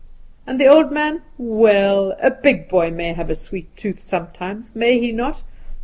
And the old man well, a big boy may have a sweet tooth sometimes, may he not?